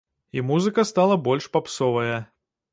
І музыка стала больш папсовая.